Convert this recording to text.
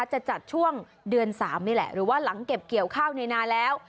จะจัดช่วงเดือน๓นี่แหละหรือว่าหลังเก็บเกี่ยวข้าวในนาแล้ว